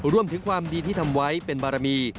รวมถึงความดีที่ทำไว้เป็นบารมี